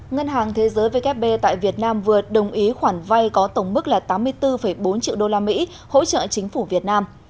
ngân hàng thế giới vkp tại việt nam vừa đồng ý khoản vay có tổng mức là tám mươi bốn bốn triệu usd hỗ trợ chính phủ việt nam